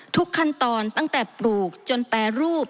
ทุกขั้นตอนตั้งแต่ปลูกจนแปรรูป